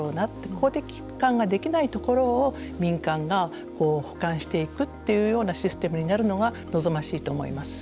公的機関ができないところを民間が補完していくというシステムになるのが望ましいと思います。